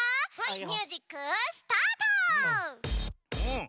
ミュージックスタート！